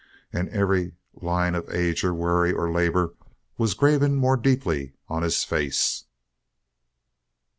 And every line of age or worry or labor was graven more deeply on his face.